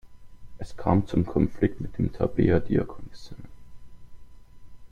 Es kam zum Konflikt mit den Tabea-Diakonissen.